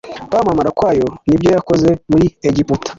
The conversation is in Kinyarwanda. kwamamara kwayo n ibyo yakoze muri Egiputa